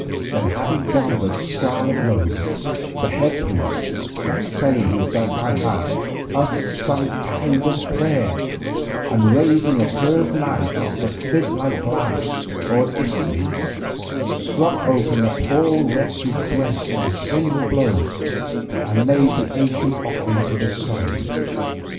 Then, having donned a scarlet cloak, the head priest, that same who had felt my heart, uttered some kind of prayer, and, raising a curved knife of the flint like glass or itztli, struck open the poor wretch's breast at a single blow, and made the ancient offering to the sun.